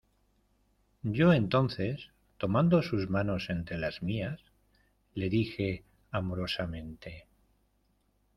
yo entonces tomando sus manos entre las mías, le dije amorosamente: